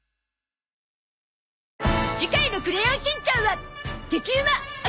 次回の『クレヨンしんちゃん』は